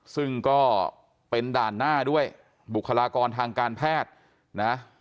ซึ่งก็เป็นด่านหน้าด้วยบุคลากรทางการแพทย์นะ